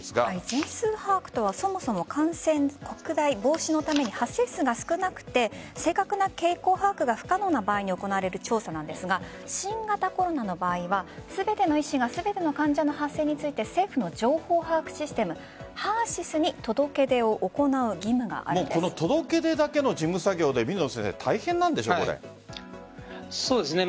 全数把握とは、そもそも感染拡大防止のために発生数が少なくて正確な傾向把握が不可能な場合に行われる調査なんですが新型コロナの場合は全ての医師が全ての患者の発生について政府の情報把握システムＨＥＲ‐ＳＹＳに届け出だけの事務作業でそうですね。